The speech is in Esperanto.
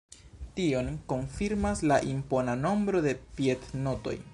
Tion konfirmas la impona nombro de piednotoj.